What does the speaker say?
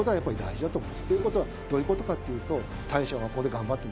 どういうことかっていうと。